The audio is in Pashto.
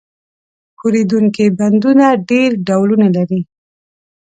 ښورېدونکي بندونه ډېر ډولونه لري.